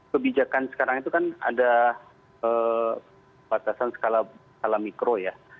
kebijakan sekarang itu kan ada batasan skala mikro ya